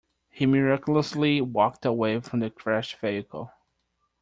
He miraculously walked away from the crashed vehicle.